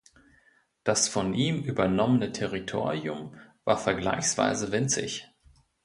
Das von ihm übernommene Territorium war vergleichsweise winzig.